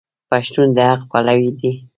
پښتون د حق پلوی دی.